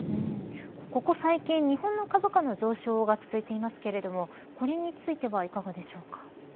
ここ最近、日本の株価の上昇が続いていますがこれについてはいかがでしょうか。